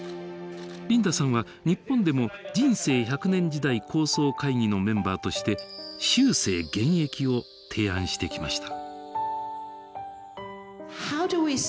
リンダさんは日本でも「人生１００年時代構想会議」のメンバーとして「終生現役」を提案してきました。